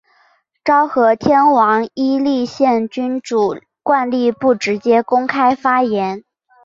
昭和天皇依立宪君主惯例不直接公开发言。